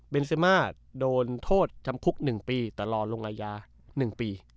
เป็นเซมาโดนโทษจำคุก๑ปีแต่รอลงอาญา๑ปี